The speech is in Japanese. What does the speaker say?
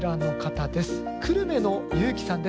久留米のゆうきさんです。